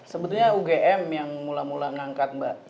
sebetulnya ugm yang mula mula ngangkat mbak